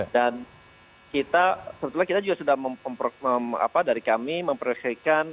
dan kita sebetulnya kita juga sudah mempro apa dari kami memprioritasikan